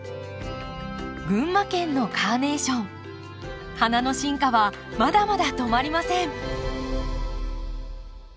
群馬県のカーネーション花の進化はまだまだ止まりません。